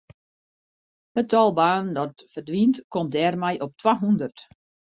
It tal banen dat ferdwynt komt dêrmei op twahûndert.